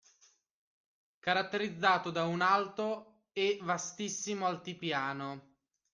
Caratterizzato da un alto e vastissimo altipiano